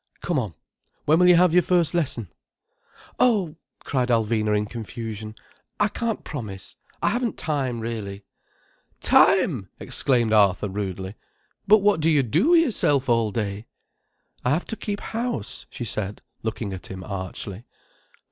"Come on. When will you have your first lesson?" "Oh," cried Alvina in confusion. "I can't promise. I haven't time, really." "Time!" exclaimed Arthur rudely. "But what do you do wi' yourself all day?" "I have to keep house," she said, looking at him archly.